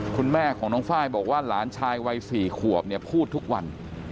คุณแม่ของน้องไฟล์บอกว่าหลานชายวัย๔ขวบเนี่ยพูดทุกวัน